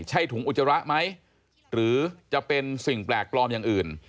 ใช่ถุงอุจจาระไหมหรือจะเป็นสิ่งแปลกปลอมอย่างอื่น